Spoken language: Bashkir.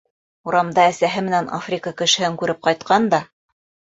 Урамда әсәһе менән Африка кешеһен күреп ҡайтҡан да: